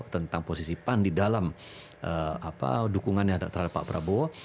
tentang posisi pan di dalam dukungannya terhadap pak prabowo